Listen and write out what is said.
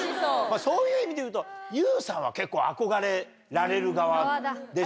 そういう意味でいうとＹＯＵさんは結構憧れられる側でしょ？